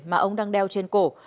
mà ông đang đeo trên cổ